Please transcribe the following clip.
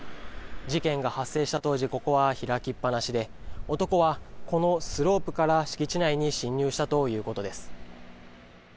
事件が発生した当時、ここは開きっ放しで、男はこのスロープから敷地内に侵入したということです。